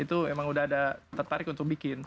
itu memang sudah ada tertarik untuk bikin